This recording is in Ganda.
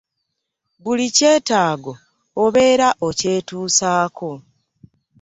Buli kyetaago obeera okyetuusaako.